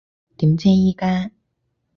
點啫依家？